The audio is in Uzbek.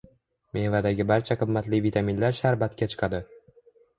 Mevadagi barcha qimmatli vitaminlar sharbatga chiqadi.